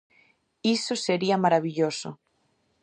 Iso sería marabilloso.